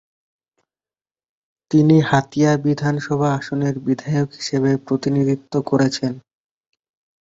তিনি হাতিয়া বিধানসভা আসনের বিধায়ক হিসাবে প্রতিনিধিত্ব করেছেন।